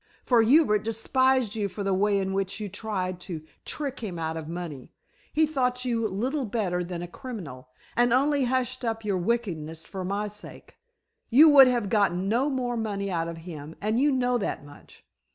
"For Hubert despised you for the way in which you tried to trick him out of money. He thought you little better than a criminal, and only hushed up your wickedness for my sake. You would have got no more money out of him, and you know that much.